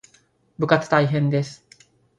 部活大変です